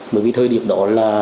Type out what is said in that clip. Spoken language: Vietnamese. bởi vì thời điểm đó là